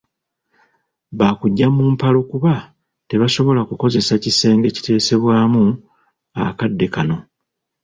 Bakujja mu mpalo kuba tebasobola kukozesa kisenge kiteseebwamu akadde kano